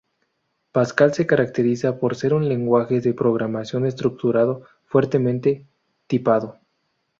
Pascal se caracteriza por ser un lenguaje de programación estructurado fuertemente tipado.